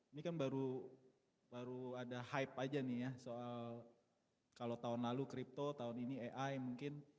ini kan baru ada hype aja nih ya soal kalau tahun lalu crypto tahun ini ai mungkin